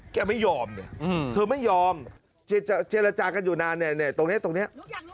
แกไม่ยอมเธอไม่ยอมเจรจากันอยู่นานตรงนี้